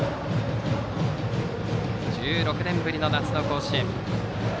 １６年ぶりの夏の甲子園。